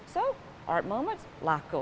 jadi art moments laku